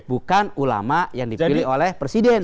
bukan ulama yang dipilih oleh presiden